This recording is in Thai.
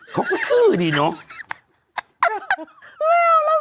เขาก็ซื้อดิเนาะ